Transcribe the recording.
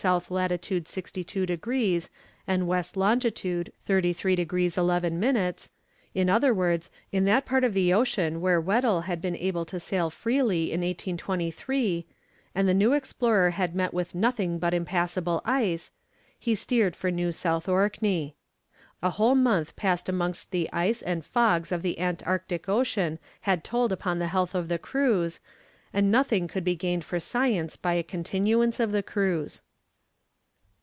lat. 62 degrees and W. long. 33 degrees 11 minutes, in other words in that part of the ocean where Weddell had been able to sail freely in 1823, and the new explorer had met with nothing but impassable ice, he steered for New South Orkney. A whole month passed amongst the ice and fogs of the Antarctic Ocean had told upon the health of the crews, and nothing could be gained for science by a continuance of the cruise.